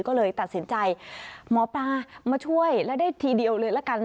ก็เลยตัดสินใจหมอปลามาช่วยแล้วได้ทีเดียวเลยละกัน